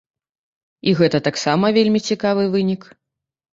І гэта таксама вельмі цікавы вынік.